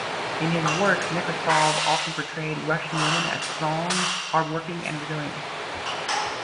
In his works, Nekrasov often portrayed Russian women as strong, hardworking, and resilient.